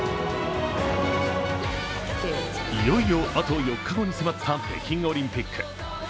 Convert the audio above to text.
いよいよあと４日後に迫った北京オリンピック。